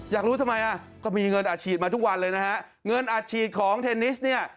อยากรู้ทำไมอ่ะก็มีเงินอาจฉีดมาทุกวันเลยนะฮะเงินอัดฉีดของเทนนิสเนี่ย